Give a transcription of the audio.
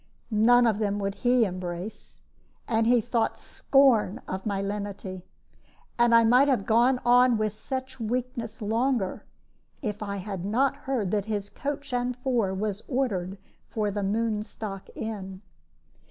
None of them would he embrace, and he thought scorn of my lenity. And I might have gone on with such weakness longer, if I had not heard that his coach and four was ordered for the Moonstock Inn.